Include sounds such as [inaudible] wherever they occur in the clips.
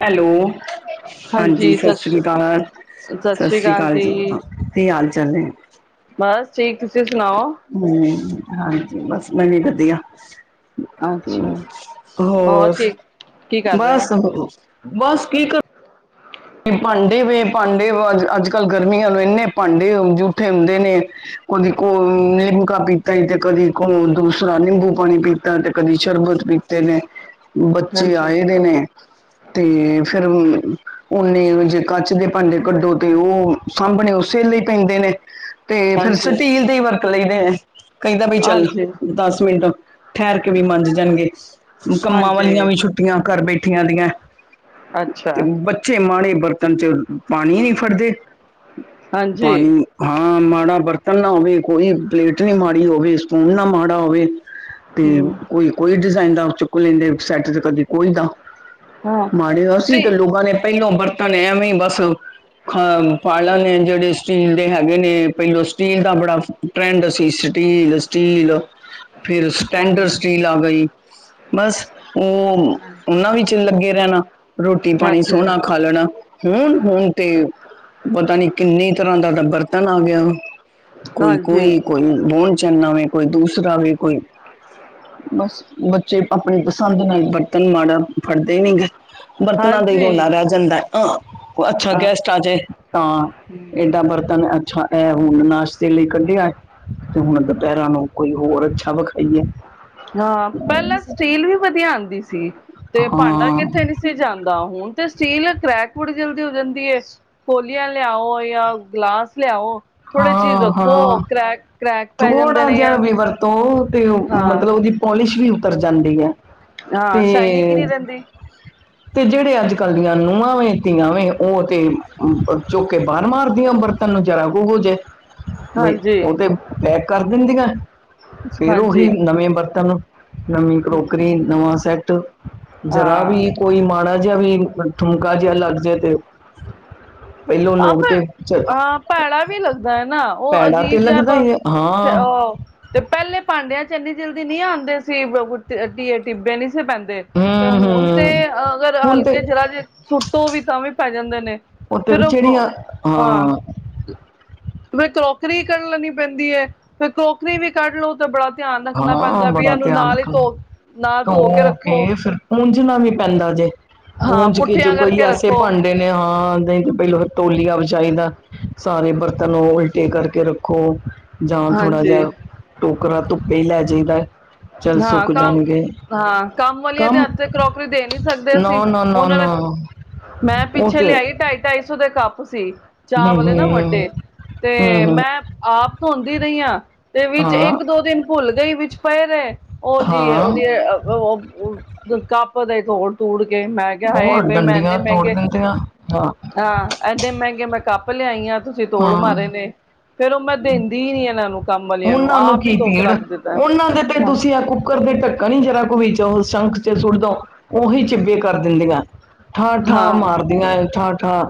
Hello. ਹਾਂਜੀ, ਸਤਿ ਸ੍ਰੀ ਅਕਾਲ। ਸਤਿ ਸ੍ਰੀ ਅਕਾਲ ਜੀ, ਕੀ ਹਾਲ-ਚਾਲ ਨੇਂ। ਬਸ ਠੀਕ, ਤੁਸੀ ਸੁਣਾਓ। ਹਂ, ਹਾਂਜੀ, ਬਸ ਮੈ ਵੀ ਵਧੀਆ। ਅੱਛਾ ਹੋਰ, ਕੀ ਕਰ ਰਹੇ ਹੋ ਬਸ, ਬਸ ਕੀ ਕਰ ਭਾਂਡੇ ਵੇ ਭਾਂਡੇ ਵ ਅੱਜ-ਕਲ ਗਰਮੀਆਂ ਨੂੰ ਇਨੇਂ ਭਾਂਡੇ ਜੂਠੇ ਹੁੰਦੇ ਨੇ। ਕਦੀ ਘੋਲ ਨਿਮਕਾ ਪੀਤਾ ਈ ਤੇ ਕਦੀ ਘੋਲ ਦੂਸਰਾ ਨਿੰਬੂ ਪਾਣੀ ਪੀਤਾ ਤੇ ਕਦੀ ਸ਼ਰਬਤ ਪੀ ਤੇ ਨੇ ਬੱਚੇ ਹਾਂਜੀ ਆਏ ਦੇ ਨੇ ਤੇ ਫੇਰ ਓਨੇ ਜੇ ਕੱਚ ਦੇ ਭਾਂਡੇ ਕਢੋ ਤੇ ਉਹ ਸਾਂਭਣੇ ਉਸੇ ਅਲੇ ਈ ਪੈਂਦੇ ਨੇ। ਤੇ ਫੇਰ ਹਾਂਜੀ ਸਟੀਲ ਤੇ ਵਰਤ ਲਈਦੇ- ਕਹਿਦਾ ਵੀ ਚਲ, ਹਾਂਜੀ ਦਸ ਮਿੰਟ ਠਹਿਰ ਕੇ ਵੀ ਮੰਜ ਜਾਣਗੇ- ਕਮਾਂ ਹਾਂਜੀ ਵਾਲੀਆਂ ਵੀ ਛੁੱ- ਛੁਟਿਆਂ ਕਰ ਬੈਠੀਆਂ ਦੀਆਂ, ਅੱਛਾ ਤੇ ਬੱਚੇ ਮਾੜੇ ਬਰਤਨ 'ਚ ਪਾਣੀ ਨੀ ਫੜਦੇ ਹਾਂਜੀ ਪਾਣੀ- ਹਾਂ ਮਾੜਾ ਬਰਤਨ ਨਾ ਹੋਵੇ, ਕੋਈ ਪਲੇਟ ਨਹੀ ਮਾੜੀ ਹੋਵੇ ਸਪੂਨ ਨਾ ਮਾੜਾ ਹੋਵੇ- ਤੇ ਹਮ ਕੋਈ- ਕੋਈ ਡਿਜ਼ਾਇਨ ਦਾ ਚੁੱਕ ਲੈਦੇ ਸੈਟ, ਤੇ ਕਦੇ ਕੋਈ ਦਾ- ਹਾਂ ਮਾੜੇ ਸੀ, ਸਟੀ ਤੇ ਲੋਕਾਂ ਨੇ ਪਹਿਲੋ ਬਰਤਨ ਐਵੇ ਬਸ- ਅ ਪਾ ਲਾਣੇ ਨੇ ਜਿਹੜੇ- ਸਟੀਲ ਦੇ ਹੈਗੇ ਨੇ, ਪਹਿਲੋ ਸਟੀਲ ਦਾ ਬੜਾ ਟਰੈਡ ਸੀ ਸਟੀਲ- ਸਟੀਲ- ਫਿਰ ਸਟੈਂਡਰਡ ਹਾਂਜੀ ਸਟੀਲ ਆ ਗਈ, ਬਸ ਉਹ ਉਹਨਾ ਵੀ- ਵਿਚ ਲਗੇ ਰਹਿਣਾ, ਰੋਟੀ ਪਾਣੀ- ਹਾਂਜੀ ਸੋਹਣਾ ਖਾ ਲੈਣਾ, ਹੁਣ- ਹੁਣ ਤੇ ਪਤਾ ਨੀ ਕਿਨੀ ਤਰ੍ਹਾਂ ਦਾ ਬਰਤਨ ਆ ਗਿਆ ਵਾ- ਕੋਈ- ਹਾਂਜੀ ਕੋਈ- ਕੋਈ ਬੋਨ ਚੰਈਨਾ ਵੇ, ਕੋਈ ਦੂਸਰਾ ਵੀੇ ਕੋਈ- ਬਸ ਬੱਚੇ ਆਪਣੀ ਪਸੰਦ ਨਾਲ ਬਰਤਨ ਮਾੜਾ ਫੜਦੇ ਨੀ ਗੇ, ਬਰਤਨਾਂ- ਰੋਲਾ ਹਾਂਜੀ ਰਹਿ ਜਾਦਾਂ, ਅਛਾ ਹਾਂ ਗੈਸਟ ਆ ਜਾਏ ਤਾਂ ਏਡਾ ਬਰਤਨ- ਅੱਛਾ, ਏਹ ਹੁਣ ਨਾਸ਼ਤੇ ਲਈ ਕਢਿਆ- ਤੇ ਹੁਣ ਦੁਪਹਿਰਾਂ ਨੂੰ ਕੋਈ ਹੋਰ ਅਛਾ ਵਿਖਾਈ ਐ। ਹਾਂ ਪਹਿਲਾ ਸਟੀਲ ਵੀ ਵਧੀਆ ਆਉਦੀ ਸੀ, ਤੇ ਭਾਂਡਾ ਹਾਂ ਕਿਥੇ- ਨਹੀ ਸੀ ਜਾਦਾ, ਹੁਣ ਤੇ ਸਟੀਲ ਕਰੈਕ ਬੜੀ ਜਲਦੀ ਹੋ ਜਾਦੀ ਹੈ। ਕੋਲੀਆਂ ਲਿਆਓ ਜਾਂ ਗਲਾਸ ਲਿਆਓ- ਥੋੜੇ ਚਿਰ ਹਾਂ ਹਾਂ ਰੱਖੋ ਕਰੈਕ- ਕਰੈਕ ਪੈ ਜਾਂਦੇ ਨੇ ਯ- ਤੋਂ ਤੇ ਔ ਮਤਲਬ ਉਹਦੀ ਪੋਲਿਸ਼ ਵੀ ਉਤਰ ਜਾਂਦੀ ਹੈ। ਹਾਂ ਸ਼ਾਇਨਿੰਗ ਹੀ ਤੇ- ਨਹੀਂ ਰਹਿੰਦੀ ਤੇ ਜਿਹੜੇ ਅਜ ਕਲ ਦੀਆਂ ਨ ਨੂੰਹਾਂ ਵੇਂ, ਧੀਆਂ ਵੇਂ ਉਹ ਤੇ ਚੁਕਕੇ ਬਾਹਰ ਮਾਰਦੀਆਂਰ- ਤਲੋ ਜਰਾ ਓਹੁ ਹੋ ਜਾਏ, ਬਈ ਹਾਂਜੀ ਉਹ ਤੇ ਪੈਕ ਕਰ ਦਿਦੀਆਂ- ਫੇਰ ਉਹੀ ਹਾਂਜੀ ਨਵੇ ਬਰਤਨ- ਨਵੀ ਕਰੋਕਰੀ ਨਵਾ ਸੈਟ, ਜਰਾ ਹਾਂ ਵੀ- ਕੋਈ ਮਾੜਾ ਜਿਹਾ ਵੀ, ਥੁਮਕਾ ਜਿਹਾ ਲੱਗ ਜਾਏ ਤੇ ਪਹਿਲੋਂ ਹਾਂ ਲੋਗ ਪਰ ਤੇ ਚਲੋ ਹਾਂ ਭੈੜਾ ਵੀ ਲੱਗਦਾ ਹੈ ਨਾ, ਉਹ ਪੈੜਾ ਤੇ ਅਜੀਬ ਜਿਹਾ ਲੱਗਦਾ ਹੀ ਹੈ ਹਾਂ ਅ ਤੇ ਪਹਿਲੇ ਭਾਂਡਿਆਂ ਚ ਇੰਨੀ ਜਲਦੀ ਨੀ ਆਉਂਦੇ ਸੀ, ਟਿੱਬੇ ਨਹੀਂ ਸੀ ਪੈਂਦੇ ਤੇ ਹੂੰ ਹੁਣ ਤੇ ਹੂੰ ਅਗਰ ਹੁਣ ਤੇ ਹਲਕੇ ਜ਼ਰਾ ਜੇ ਸੁੱਟੋ ਵੀ ਤਾਂ ਵੀ ਟੋਹੇ ਪੈ ਜਾਂਦੇ ਨੇ, ਉੱਤੇ ਫਿਰ ਵੀ ਜਿਹੜੀਆਂ ਉਹ ਹਾਂ ਫਿਰ ਕਰੋਕਰੀ ਕੱਢ ਲੈਣੀ ਪੈਂਦੀ ਹੈ, ਫੇਰ ਕਰੋਕਰੀ ਵੀ ਕੱਢ ਲਓ ਤੇ ਬੜਾ ਧਿਆਨ ਰੱਖਣਾ ਹਾਂ ਪੈਂਦਾ ਵੀ ਬੜਾ ਇਹਨੂੰ ਧਿਆਨ ਨਾਲ ਹੀ, ਰੱਖਣਾ ਧੋ ਨਾਲ ਧੋ ਕੇ ਰੱਖੋ ਪੁੱਜਣਾ ਵੀ ਪੈਂਦਾ ਜੇ, ਹਾਂ ਪੂੰਝ ਕੇ ਜੇ ਪੁੱਠੀਆਂ ਕੋਈ ਕਰਕੇ ਐਸੇ ਰੱਖੋ ਭਾਂਡੇ ਨੇ ਹਾਂ। ਪਹਿਲੋ ਤੋਲੀਆ ਵਛਾਈਦਾ, ਸਾਰੇ ਬਰਤਨ ਤ ਨੂੰ ਉਲਟੇ ਕਰਕੇ ਰੱਖੋ, ਜਾਂ ਥੋੜਾ ਜਿਹਾ ਹਾਂਜੀ ਟੋਕਰਾ ਧੁੱਪ ਪੈ ਲੈ ਜਾਾਹੀਦਾ। ਹਾਂ, ਕੰਮ ਹਾਂ, ਕੰਮ ਵਾਲੀਆਂ ਦੇ ਹੱਥ ਤੇ ਕਰੋਕਰੀ ਦੇ ਨੀ ਸਕਦੇ। ਨਾ ਸੀ ਨਾ ਨਾ ਉਹਨਾਂ ਨਾ ਨੇ, ਮੈਂ ਉਹ ਪਿੱਛੇ ਤੇ ਲਿਆਈ ਢਾਈ ਢਾਈ ਸੌ ਦੇ ਕੱਪ ਸੀ! ਚਾਹ ਹੂੰ ਵਾਲੇ ਨਾ ਹੂੰ ਵੱਡੇ ਹੂੰ ਤੇ ਹੂੰ ਮੈਂ ਆਪ ਧੋਂਦੀ ਰਹੀ ਹਾਂ, ਤੇ ਵਿੱਚ ਹਾਂ ਇੱਕ ਦੋ ਦਿਨ ਭੁੱਲ ਗਈ, ਵਿੱਚ ਪਏ ਰੇ, ਉਹ ਜੀ ਹਾਂ ਉਹਦੀ ਕਪ ਤੋੜ- ਤੋੜ ਗਏ ਮੈਂ ਕਿਆ ਹਾਏ ਹੋਰ ਵੇ ਮੈਂ ਏਨੇ ਡੰਡੀਆਂ ਤੋੜ ਮਹਿੰਗੇ ਦਿੰਦੇ ਆ ਹਾਂ ਹਾਂ। ਐਡੇ ਮੈਂਗੇ ਮੈਂ ਕੱਪ ਲਿਆਈ ਆਂ ਤੁਸੀਂ ਤੋੜ ਹਾਂ ਮਾਰੇ ਨੇ ਫੇਰ ਓ ਮੈਂ ਦਿੰਦੀ ਈ ਨੀ ਇਨਾਂ ਨੂੰ ਕੰਮ ਵਾਲਿਆਂ ਉਨਾਂ ਨੂੰ ਆਪ ਹੀ ਕੀ ਧੋ ਕੇ ਪੀੜ ਰੱਖ ਦਿੱਤਾ ਉਨਾਂ ਦੇ ਤੇ ਹਾਂ ਤੁਸੀਂ ਅਗੋ ਕੁੱਕਰ ਦੇ ਢੱਕਣ ਨੀ ਜਰਾ ਕੁ ਵੀਚੋਂ ਸੰਖ 'ਚ ਸੁਟ ਦੋ ਉਹੀ ਚਿੱਬੇ ਕਰ ਦਿੰਦੀਆਂ। ਠਾਂ-ਠਾਂ ਹਾਂ ਮਾਰਦੀਆਂ ਠਾਂ-ਠਾਂ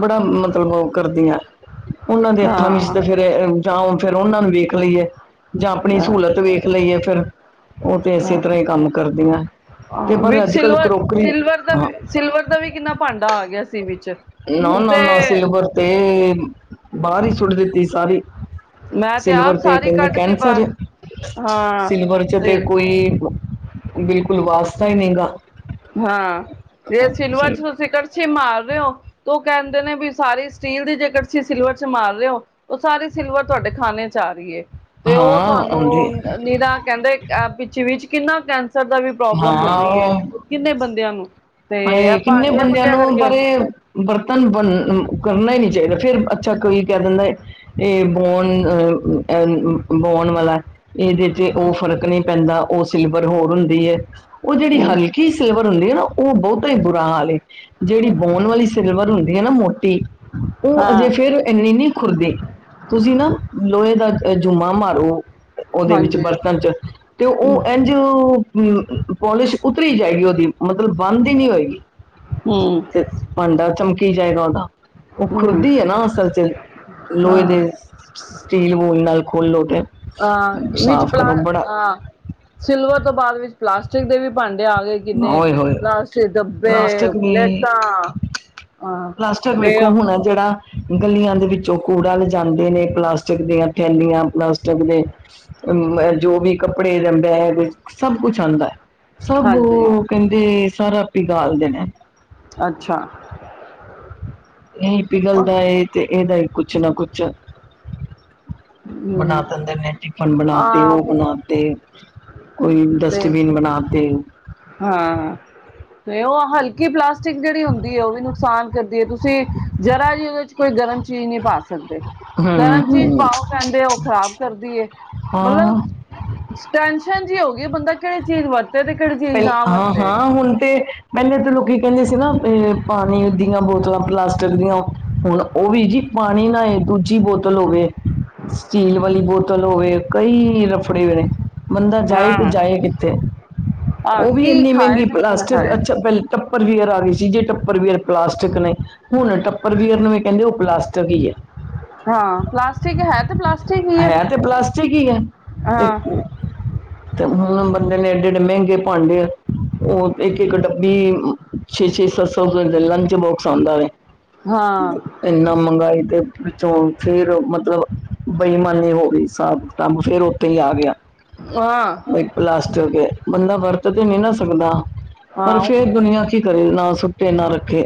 ਬੜਾ ਮਤਲਬ ਓ ਕਰਦੀਆਂ। ਉਨਾਂ ਦੇ ਹੱਥਾਂ ਵਿੱਚ ਹਾਂ ਤੇ ਫਿਰ ਜਾਂ ਫਿਰ ਉਨਾਂ ਨੂੰ ਵੇਖ ਲਈਏ। ਜਾਂ ਆਪਣੀ ਸਹੂਲਤ ਹਾਂ ਵੇਖ ਲਈਏ ਫਿਰ ਓ ਤਾਂ ਇਸੇ ਤਰ੍ਹਾਂ ਹੀ ਕੰਮ ਕਰਦੀਆਂ। ਤੇ ਪਰ ਵਿੱਚ ਅੱਜ ਕੱਲ ਕਰੋਕਰੀ ਸਿਲਵਰ-ਸਿਲਵਰ ਦਾ ਹਾਂ ਵੀ ਸਿਲਵਰ ਦਾ ਵੀ ਕਿੰਨਾ ਭਾਂਡਾ ਆ ਗਿਆ ਸੀ ਵਿਚ ਨਾ-ਨਾ-ਨਾ ਸਿਲਵਰ ਤੇ ਬਾਰ ਹੀ ਸੁੱਟ ਦਿੱਤੀ ਸਾਰੀ ਮੈਂ ਸਿਲਵਰ ਆਪ ਤੇ ਸਾਰੀ ਕੈਂਦੇ ਕੱਢ ਤੀ ਕੈਂਸਰ ਏ। ਬਾਹਰ ਹਾਂ ਸਿਲਵਰ 'ਚ ਤੇ ਕੋਈ ਬਿਲਕੁਲ ਵਾਸਤਾ ਈ ਨਈ ਗਾ। ਹਾਂ ਜੇ ਸਿਲਵਰ ਜੀ। 'ਚ ਤੁਸੀਂ ਕੜਛੀ ਮਾਰ ਰਏ ਓ। ਤੇ ਓ ਕੈਂਦੇ ਨੇ ਵੀ ਸਾਰੀ ਸਟੀਲ ਦੀ ਕੜਸ਼ੀ ਤੁਸੀਂ ਸਿਲਵਰ 'ਚ ਮਾਰ ਰਏ ਓ। ਓ ਸਾਰੀ ਸਿਲਵਰ ਤੁਹਾਡੇ ਖਾਣੇ 'ਚ ਆ ਰਈ ਏ ਤੇ ਓ ਹਾਂ ਆਉਂਦੀ ਤੁਹਾਨੂੰ ਨਿਰਾ ਕਈ ਤਾਂ ਕੈਂਦੇ ਪਿੱਛੇ ਵੀ ਕਿੰਨਾ ਕੈਂਸਰ ਦਾ ਵੀ ਪ੍ਰੋਬਲਮ ਹੋ ਗਈ ਏ। ਹਾਂ ਕਿੰਨੇ ਬੰਦਿਆਂ ਨੂੰ ਹਾਏ ਕਿੰਨੇ ਭਾਂਡਿਆਂ ਬੰਦਿਆਂ ਭੁੰਡਿਆਂ ਨੂੰ ਕਰਕੇ ਬਰੇ ਬਰਤਨ ਬਣ ਕਰਨਾ ਈ ਨਈ ਚਾਈਦੇ ਫਿਰ ਅੱਛਾ ਕਈ ਕੈਂ ਦਿੰਨੇ। ਏ ਬੋਣ ਅ ਐ ਬਉਣ ਵਾਲਾ ਇਦੇ 'ਚ ਓ ਫਰਕ ਨਈ ਪੈਂਦਾ ਓ ਸਿਲਵਰ ਹੋਰ ਹੁੰਦੀ ਏ ਓ ਜੇੜੀ ਹਮ ਹਲਕੀ ਕੀ ਸਿਲਵਰ ਹੁੰਦੀ ਹੈ ਨਾ ਓ ਬੋਤਾ ਈ ਬੁਰਾ ਹਾਲ ਏ ਜੇੜੀ ਬੋਨ ਵਾਲੀ ਸਿਲਵਰ ਹੁੰ ਦੀ ਨਾ ਮੋਟੀ ਓ ਅਜੇ ਹਾਂ ਫਿਰ ਇੰਨੀ ਨਈ ਖੁਰਦੀ। ਤੁਸੀਂ ਨਾ ਲੋਹੇ ਦਾ ਜੂਮਾ ਮਾਰੋ। ਉਦੇ ਵਿੱਚ ਹਾਂਜੀ ਬਰਤਨ 'ਚ ਤੇ ਓ ਹਮ ਏਂਜ ਤੇ ਪੋਲਿਸ਼ ਉਤਰੀ ਜਾਏਗੀ ਉਦੀ ਮਤਲਬ ਬੰਦ ਹੀ ਨਈ ਹੋਏਗੀ। ਹਮ ਤੇ ਭਾਂਡਾ ਚਮਕੀ ਜਾਏਗਾ ਉਦਾ ਓ ਹਮ ਖੁਰਦੀ ਐ ਨਾ ਅਸਲ 'ਚ ਲੋਹੇ ਹਾਂ ਦੇ ਸਟੀਲ ਵੂਲ ਨਾਲ ਖੋਲੋ ਤੇ ਅ ਵਿੱਚ ਸਾਫ਼ ਕਰੋ ਪਲਾਹ ਬੜਾ ਅ ਸਿਲਵਰ ਤੋਂ ਬਾਦ ਵਿੱਚ ਪਲਾਸਟਿਕ ਦੇ ਵੀ ਭਾਂਡੇ ਆ ਗਏ। ਕਿੰਨੇ ਓਏ ਹੋਏ ਪਲਾਸਟਿਕ ਡੱਬੇ, ਲਾਸਟਿਕ ਵੀ ਪਲੇਟਾਂ ਅ ਪਲਾਸਟਿਕ ਤੇ ਵੇਖੋ ਹੁਣ ਜੇੜਾ ਗਲੀਆਂ ਦੇ ਵਿੱਚੋਂ ਕੂੜਾ ਲਿਜਾਦੇ ਨੇ ਪਲਾਸਟਿਕ ਦੀਆਂ ਥੈਲੀਆਂ ਪਲਾਸਟਿਕ ਦੇ ਅ ਜੋ ਵੀ ਕੱਪੜੇ ਜਾਂ ਬੈਗ ਸਭ ਕੁਛ ਆਂਦਾ। ਹਾਂਜੀ ਕੈਂਦੇ ਸਾਰਾ ਆਪ ਹੀ ਪੀਗਾਲਦੇ ਨੇ। ਅੱਛਾ ਇਹੀ ਪਿਘਲਦਾ ਤੇ ਇਦਾ ਈ ਕੁਛ ਨਾ ਕੁਛ ਬਣਾ ਹਮ ਦਿੰਦੇ ਨੇ ਟਿਫਨ ਬਣਾ ਤੇ ਓ ਆਹ ਬਣਾ ਤੇ ਕੋਈ ਤੇ ਡਸਟਬੀਨ ਬਣਾ ਤੇ ਹਾਂ ਤੇ ਓ ਹਲਕੀ ਪਲਾਸਟਿਕ ਜੇੜੀ ਹੁੰਦੀ ਏ ਓ ਵੀ ਨੁਕ ਸਾਨ ਕਰਦੀ ਏ ਤੁਸੀਂ ਜ਼ਰਾ ਜੀ ਉਦੇ 'ਚ ਕੋਈ ਗਰਮ ਚੀਜ਼ ਨਈ ਪਾ ਸਕਦੇ। ਹਮ, ਗਰਮ ਚੀਜ਼ ਹਮ, ਪਾਓ ਕੈਂਦੇ ਉਹ ਖਰਾਬ ਕਰਦੀ ਏ ਹਾਂ ਮਤਲਬ ਟੈਨਸ਼ਨ ਜੀ ਹੋ ਗਈ ਬੰਦਾ ਕੇੜੀ ਚੀਜ਼ ਵਰਤੇ ਤੇ ਕਿਹੜੀ ਪੈ ਚੀਜ਼ ਨਾ ਵਰਤੇ ਹਾਂ-ਹਾਂ ਹੁਣ ਤੇ ਪੈਲੇ ਤਾਂ ਲੋਕੀ ਕੈਂਦੇ ਸੀ ਨਾ ਪਾਣੀ ਦੀਆਂ ਬੋਤਲਾਂ ਪਲਾਸਟਿਕ ਦੀਆਂ ਹੁਣ ਓ ਵੀ ਜੀ ਪਾਣੀ ਨਾ ਏ ਦੂਜੀ ਬੋਤਲ ਹੋਵੇ। ਸਟੀਲ ਵਾਲੀ ਬੋਤਲ ਹੋਵੇ ਕਈ ਰ ਫੜੇ ਨੇ। ਬੰਦਾ ਜਾਏ ਤੇ ਹਾਂ ਜਾਏ ਕਿੱਥੇ? ਹਾਂ ਓ ਵੀ ਕੀ ਇੰਨੀ ਖਾਏ ਮੈਂਗੀ ਤੇ ਕੀ ਨਾ ਪਲਾਸਟਕ ਖਾਏ ਅੱਛਾ ਪੈਲ ਟੱਪਰਵਿਅਰ ਆਰੀ ਸੀ। ਜੀ ਟੱਪਰਵਿਅਰ ਪਲਾਸਟਕ ਨੇ। ਹੁਣ ਟੱਪਰ ਵੀਅਰ ਨੂੰ ਵੀ ਕੇਦੇ ਓ ਪਲਾਸਟਕ ਈ ਐ। ਹਾਂ, ਪਲਾਸਟਿਕ ਹੈ ਤੇ ਪਲਾਸ ਹੈ ਤੇ ਪਲਾਸਟਿਕ ਈ ਐ ਤੇ ਹਾਂ ਤੇ ਹੁਣ ਬੰਦੇ ਨੇ ਏਡੇ ਏਡੇ ਮੇਂਗੇ ਭਾਂਡੇ ਓ ਇੱਕ ਇੱਕ ਡੱਬੀ ਛੇ ਛੇ ਸੱਤ ਸੌਪਏ ਲੰਚ ਬੋਕਸ ਆਂਦਾ ਏ। ਹਾਂ। ਏਨਾ ਮੰਗਾਈ ਦੇ ਵਿੱਚੋਂ ਫੇਰ ਮਤਲਬ ਬੇਈਮਾਨੀ ਹੋ ਰੀ ਸਾਬ ਕੰਮ ਫੇਰ ਓਥੇ ਈ ਆ ਗੇਆ। ਹਾਂ। ਬਈ ਪਲਾਸਟਕ ਏ। ਬੰਦਾ ਵਰਤ ਤੇ ਨੀ ਨਾ ਸਕਦਾ ਪਰ ਹਾਂ ਫੇਰ ਦੁਨੀਆ ਕਰੇ। ਨਾ ਸੁੱਟੇ ਨਾ ਰੱਖੇ।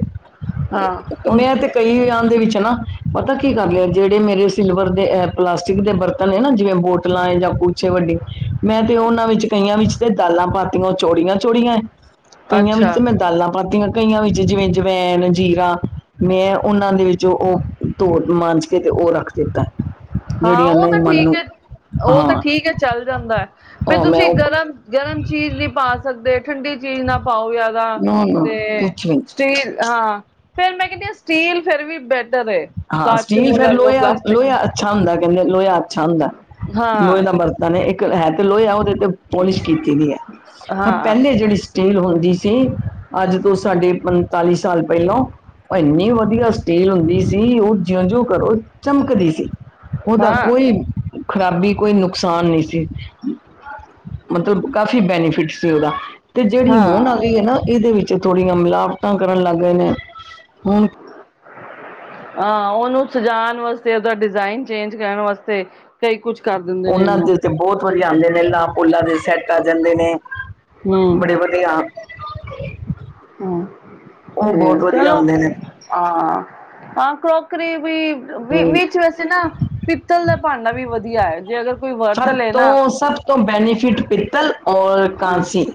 ਹਾਂ ਹੁਣ ਮੈਂ ਤੇ ਕਈਆਂ ਦੇ ਵਿੱਚ ਨਾ ਪਤਾ ਕੀ ਕਰਨੀ ਆ ਜੇੜੇ ਮੇਰੇ ਸਿਲਵਰ ਦੇ ਐ ਪਲਾਸਟਿਕ ਦੇ ਬਰਤਨ ਐ ਨਾ ਜਿਵੇਂ ਬੋਟਲਾਂ ਏ ਜਾਂ ਕੁਛ ਵੱਡੇ ਮੈਂ ਤੇ ਓਨਾਂ ਵਿੱਚ ਕਈਆਂ ਵਿੱਚ ਤੇ ਦਾਲਾਂ ਪਾਤੀਆਂ। ਓ ਚੌੜੀਆਂ ਚੌੜੀਆਂ ਐ। ਕਈਆਂ ਅੱਛਾ ਵਿੱਚ ਮੈਂ ਦਾਲਾਂ ਪਾਤੀਆਂ, ਕਈਆਂ ਵਿੱਚ ਜਿਵੇਂ ਜਵੈਣ, ਜੀਰਾ। ਮੈਂ ਓਨਾਂ ਦੇ ਵਿਚ ਓ ਧੋ ਮਾਂਜ ਕੇ ਤੇ ਓ ਰੱਖ ਦਿੱਤਾ ਐ। ਹਾਂ ਓ ਤਾਂ ਠੀਕ ਐ। ਓ ਤਾਂ ਹਾਂ ਠੀਕ ਐ ਚੱਲ ਜਾਂਦਾ ਐ ਬੀ ਉਹ ਮੈਂ ਤੁਸੀ ਉਹ ਗਰਮ ਗਰਮ ਚੀਜ਼ ਨੀ ਪਾ ਸਕਦੇ। ਠੰਡੀ ਚੀਜ਼ ਨਾ ਪਾਓ ਜਾਦਾ ਨਾ ਨਾ ਤੇ ਕੁਛ ਵੀ ਸਟੀਲ ਹਾਂ ਫੇਰ ਮੈਂ ਕੇਨੀ ਆਂ ਸਟੀਲ ਫੇਰ ਵੀ ਬੈ ਟਰ ਏ। ਹਾਂ ਕਚ ਸਟੀਲ ਨੂੰ ਫਿਰ ਲੈ ਲੋ ਲੋਹਾ ਪਲਾਸਟਿਕ ਨੂੰ ਲੋਹਾ ਅੱਛਾ ਹੁੰਦੈ। ਕੇਂਦੇ ਲੋਯਾ ਅੱਛਾ ਹੁੰਦਾ ਐ ਲੋਏ ਹਾਂ ਦਾ ਬਰਤ ਨ ਏ ਏਕ। ਹੈ ਤੇ ਲੋਏਆ ਓਦੇ ਤੇ ਪੋਲਿਸ਼ ਕੀਤੀ ਦੀ ਐ। ਹਾਂ ਪੈਲੇ ਜੇੜੀ ਸੀ ਸਟੀਲ ਹੁੰਦੀ ਸੀ ਅੱਜ ਤੋਂ ਸਾਡੇ ਪੰ ਤਾਲੀ ਸਾਲ ਪੇਲੋਂ, ਓ ਏਨੀ ਵਧੀਆ ਸਟੀੇਲ ਹੁੰਦੀ ਸੀ। ਓ ਜਿਉਂ ਜਿਉਂ ਕਰੋ ਚਮਕਦੀ ਸੀ ਓਦਾ ਹਾਂ ਕੋਈ ਖ਼ਰਾਬੀ ਕੋਈ ਨੁਕਸਾਨ ਨੀ ਸੀ। ਮਤਲਬ ਕਾਫੀ ਬੈਨੀਫਿਟ ਸੀ ਓਦਾ। ਤੇ ਜੋੜੀ ਹੋਨ ਹਾਂ ਆਗੀ ਏ ਨਾ ਏਦੇ ਵਿੱਚ ਥੋੜੀਆਂ ਮਿਲਾਵਟਾਂ ਕਰਨ ਲੱਗ ਗਏ ਨੇ। ਹੁਣ ਹ ਆ ਓਨੂੰ ਸਜਾਨ ਵਾਸਤੇ ਓਦਾ ਡਿਜਾਇਨ ਚੇਂਜ ਕਰਨ ਵਾਸਤੇ ਕਈ ਕੁਛ ਕਰ ਦੇਂਦੇ ਨੇ ਉਹਨਾਂ ਓਨੂੰ। ਦੇ ਤੇ ਬੋਤ ਵਧੀਆ ਆਂਦੇ ਨੇ ਲਾ ਪੋਲਾ ਦੇ ਸੈਟ ਆ ਜਾਂਦੇ ਨੇ ਬੜੇ ਵਧ ਵਧੀਆ। ਹਾਂ। ਉਹ ਹਂ ਬਹੁਤ ਵਧੀਆ ਚਲੋ। ਹੁੰਦੇ ਨੇ ਆ। ਹਾਂ ਕਰੋਕਰੀ ਵੀ ਵਿ ਹਮ, ਵਿੱਚ ਵੈਸੇ ਨਾ ਪਿੱਤਲ ਦਾ ਭਾਂਡਾ ਵੀ ਵਧੀਆ ਐ ਜੇ ਅਗਰ ਕੋਈ ਵਰਤ ਸਭ ਲਏ ਨਾ ਤੋਂ ਸਭ ਤੋਂ ਬੈਨੀਫਿਟ ਪਿੱਤਲ ਔਰ ਕਾਂਸੀ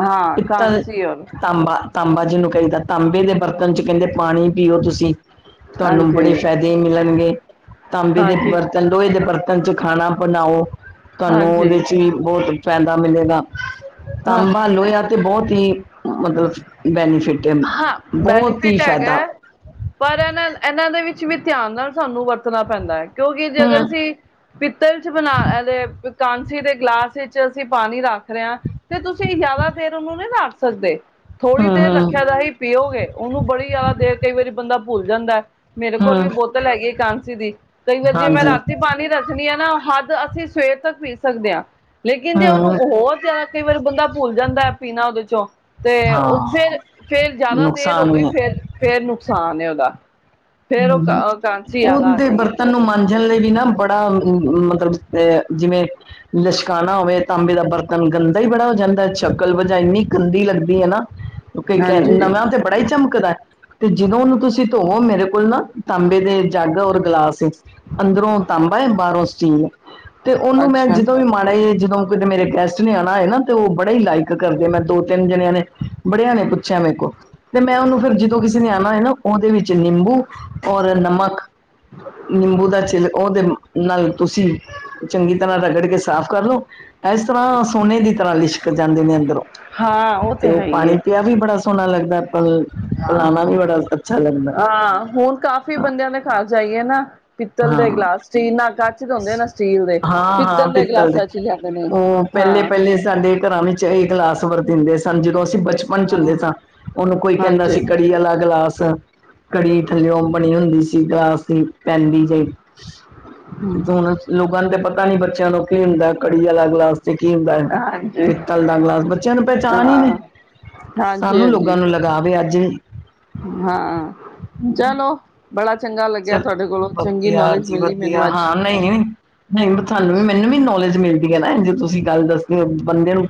ਹਾਂ ਕਾਂਸੀ ਔਰ ਤਾਂਬਾਂ ਤਾਂਬਾ ਜਿਨੂੰ ਕਈਦਾ ਤਾਂਬੇ ਦੇ ਬਰਤਨ ਚ ਕੇਂਦੇ ਪਾਣੀ ਪੀਓ ਤੁਸੀ। ਤਾਨੂੰ ਬੜੇ ਹਾਂਜੀ ਫੈਦੇ ਮਿਲਣਗੇ ਤਾਂਬੇ ਦੇ ਹਾਂਜੀ ਬਰਤਨ ਲੋੋਏ ਦੇ ਬਰਤਨ ਚ ਖਾਣਾ ਬਨਾਓ ਤਾਨੂੰ ਓਦੇ ਹਾਂਜੀ ਚ ਵੀ ਬੋਤ ਫੈਦਾ ਮਿਲੇਗਾ। ਹਾਂ ਤਾਂਬਾ ਲੋਏਯਾ ਤੇ ਬੋਤ ਈ ਹਾਂ, ਮਤਲਬ ਬੈਨੀਫਿਟ ਏ। ਹਾਂ, ਬੈਨੀਫਿਟ ਹੈਗੈ ਪਰ ਏਨਾਂ ਐਨਾਂ ਦੇ ਵਿੱਚ ਵੀ ਧਿਆਨ ਨਾਲ ਸਾਨੂੰ ਵਰਤਨਾ ਪੈਂਦਾ ਐ ਕਿਉਂਕਿ ਜੇ ਹੂੰ ਅਗਰ ਅਸੀਂ ਪਿੱਤਲ 'ਚ ਬਨਾ ਐ ਤੇ ਪਿ ਕਾਂਸੀ ਦੇ ਗਿਲਾਸ ਇੱਚ ਅਸੀਂ ਪਾਨੀ ਰੱਖ ਰੇ ਆਂ ਤੇ ਤੁਸੀਂ ਜਿਆਦਾ ਦੇਰ ਉਨੂੰ ਨੀ ਰੱਖ ਸਕਦੇ? ਥੋੜੀ ਹੂੰ ਦੇਰ ਹੂੰ ਰੱਖਿਆ ਦਾ ਹੀ ਪੀਓਗੇ। ਓਨੂੰ ਬੜੀ ਯਾਦਾ ਦੇਰ ਕਈ ਵਾਰੀ ਬੰਦਾ ਭੁੱਲ ਜਾਂਦੈ ਮੇਰੇ ਕੋਲ ਵੀ ਹੂੰ ਬੋਤਲ ਹੈਗੀ ਏ ਕਾਂਸੀ ਦੀ। ਕਈ ਵਾਰੀ ਜੇ ਮੈਂ ਹਾਂਜੀ ਰਾਤੀ ਪਾਨੀ ਰੱਖਨੀ ਆਂ ਨਾ ਹੱਦ ਅਸੀਂ ਸਵੇਰ ਤੱਕ ਪੀ ਸਕਦੇ ਆਂ ਲੇਕਿਨ ਜੇ ਓਨੂੰ ਹੂੰ ਹੋਰ ਜਿਆ ਕਈ ਵਾਰੀ ਬੰਦਾ ਭੁੱਲ ਜਾਂਦੈ ਪੀਨਾ ਓਦੇ 'ਚੋਂ ਤੇ ਓ ਹਾਂ ਫੇਰ ਫੇਰ ਜਿਆਦਾ ਦੇਰ ਹੋ ਨੁਕਸਾਨ ਗਈ ਵੀ ਹੈ ਫੇਰ, ਫੇਰ ਨੁਕਸਾਨ ਏ ਓਦਾ। ਫੇਰ ਓ ਹੂੰ ਕਾ ਕਾਂਸੀ ਯਾਦਾ ਆ ਜਾਏਗੀ ਅੰਦਰ। ਜੇ ਲੱਲਲੇਗੀ ਨਾ ਬੜਾ ਮ ਮਤਲਬ ਅ ਜਿਵੇਂ ਲਸ਼ਕਾਨਾ ਹੋਵੇ ਤਾਂਬੇ ਦਾ ਬਰਤਨ ਗੰਦਾ ਈ ਬੜਾ ਹੋ ਜਾਂਦੈ, ਸ਼ਕਲ ਵਜਾ ਏਨੀਂ ਗੰਦੀ ਲੱਗਦੀ ਏ ਨਾ ਕਈ ਕੈ ਹਾਂਜੀ ਨਵਾਂ ਤੇ ਬੜਾ ਈ ਚਮਕਦੈ ਤੇ ਜਦੋਂ ਓਨੂੰ ਤੁਸੀਂ ਧੋਵੋ ਮੇਰੇ ਕੋਲ ਨਾ ਤਾਂਬੇ ਦੇ ਜੱਗ ਔਰ ਗਲਾਸ ਏ। ਅੰਦਰੋਂ ਤਾਂਬਾ ਏ, ਬਾਰੋਂ ਸਟੀਲ ਐ ਤੇ ਓਨੂੰ ਮੈਂ ਅੱਛਾ ਜਿਦੋਂ ਵੀ [unintelligible] ਈ ਜਿਦੋਂ ਕਿਤੇ ਮੇਰੇ ਗੈਸਟ ਨੇ ਆਨਾ ਹੋਏ ਨਾ ਤੇ ਓ ਬੜੇ ਈ ਲਾਈਕ ਕਰਦੇ। ਮੈਂ ਦੋ ਤਿੰਨ ਜਨਿਆਂ ਨੇ ਬੜਿਆਂ ਨੇ ਪੁੱਛਿਐ ਮੇਰੇ ਕੋ। ਫੇਰ ਮੈਂ ਓਨੂੰ ਫਿਰ ਜਿਦੋਂ ਕਿਸੀ ਨੇ ਆਨਾ ਹੋਏ ਨਾ ਓਦੇ ਵਿੱਚ ਨਿੰਬੂ ਔਰ ਨਮਕ। ਨਿੰਬੂ ਦਾ ਛਿਲ ਓਦੇ ਨਾਲ ਤੁਸੀਂ ਚੰਗੀ ਤਰਾਂ ਰਗੜ ਕੇ ਸਾਫ਼ ਕਰ ਲੋ। ਐਸ ਤਰਾਂ ਸੋਨੇ ਦੀ ਤਰਾਂ ਲਿਸ਼ਕ ਜਾਂਦੇ ਨੇ ਅੰਦਰੋਂ। ਹਾਂ ਉਹ ਤੇ ਓ ਹੈ ਹੀ ਪਾਨੀ ਹੈ ਪਿਆ ਵੀ ਬੜਾ ਸੋਨਾ ਲੱਗਦੈ ਪ ਪਿਲਾਨਾ ਵੀ ਬੜਾ ਅੱਛਾ ਲੱਗਦਾ। ਹਾਂ, ਹੂਨ ਕਾ ਕੋਈ ਹਾਂ ਬੰਦਿਆਂ ਦੇ ਘਾਰ ਜਾਈਏ ਨਾ ਪਿੱਤਲ ਦੇ ਹਾਂ ਗਿਲਾਸ, ਸਟੀਲ ਨਾ ਕੱਚ ਦੇ ਹੁੰਦੇ ਨਾ ਸਟੀਲ ਦੇ ਹਾਂ-ਹਾਂ ਪਿੱਤਲ ਦੇ। ਗਿਲਾਸਾਂ ਚ ਲਿਆਂਦੇ ਨੇ ਓ ਹਾਂ ਪੈਲੇ-ਪੈਲੇ ਸਾਡੇ ਘਰਾਂ ਵਿੱਚ ਐਹੀ ਗਲਾਸ ਵਰਤੀਂਦੇ ਸਨ। ਜਦੋਂ ਅਸੀਂ ਬਚਪਨ 'ਚ ਹੁੰਦੇ ਹਾਂ ਸਾਂ, ਓਨੂੰ ਕੋਈ ਕੈਂਦਾ ਹਾਂਜੀ ਸੀ ਕੜੀ ਆਲਾ ਗਿਲਾਸ ਕੜੀ ਥੱਲਿਓ ਬਣੀ ਹੁੰਦੀ ਸੀ ਗਲਾਸ ਦੀ ਪੈਂਦੀ ਜਈ ਹੂਨ ਅ ਲੋਗਾਂ ਨੂੰ ਤੇ ਪਤਾ ਨੀ, ਬੱਚਿਆਂ ਨੂੰ ਕੀ ਹੁੰਦੈ ਕੜੀ ਆਲਾ ਗਲਾਸ। ਤੇ ਕੀ ਹੁੰਦੈ ਹਾਂਜੀ ਪਿੱਤਲ ਦਾ ਗਲਾਸ। ਬੱਚਿਆਂ ਨੂੰ ਪਹਿਚਾਨ ਈ ਨੀ। ਹਾਂ ਹਾਂਜੀ ਸਾਨੂੰ ਹਾਂਜੀ ਲੋਗਾਂ ਨੂੰ ਲ ਲਾਵੇ ਅੱਜ ਹਾਂ, ਚਲੋ। ਬੜਾ ਚੰਗਾ ਲੱਗਿਆ, ਚੱਲ ਥੁਆਡੇ ਕੋਲੋਂ ਚੰਗੀ ਨੌਲੇਜ ਮਿੱਲੀ ਮੈਨੂੰ ਅੱਜ। ਨਈ, ਨੀ। ਨਈ ਮ ਥੁਆਨੂੰ ਵੀ ਮੈਨੂੰ ਵੀ ਨੌਲੇਜ ਮਿਲਦੀ ਐ ਨਾ ਐਂਝ ਤੁਸੀਂ ਗੱਲ ਦੱਸਦੇ ਓ ਬੰਦੇ ਨੂੰ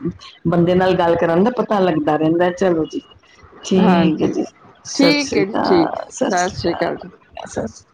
ਬੰਦੇ ਨਾਲ ਗੱਲ ਕਰਨ ਦਾ ਪਤਾ ਲੱਗਦਾ ਰੈਂਦੈ, ਚਲੋ ਜੀ। ਠੀਕ ਏ ਹਾਂਜੀ ਜੀ, ਸਸ ਠੀਕ ਸ੍ਰੀ ਹੈ ਜੀ ਕਾਲ। ਠੀਕ ਸਸ ਸਤਿ ਸ੍ਰੀ ਅਕਾਲ ਕਾਲ, ਜੀ ਸਸ ਸ੍ਰੀ ਅ